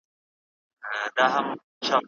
کله چې زه لس کلنه وم نو په مکتب کې ډېره لایقه وم.